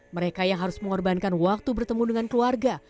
mereka yang harus mengorbankan waktu bertemu dengan keluarga